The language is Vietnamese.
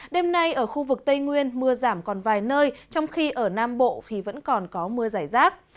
đêm nay ở khu vực tây nguyên mưa giảm còn vài nơi trong khi ở nam bộ thì vẫn còn có mưa giải rác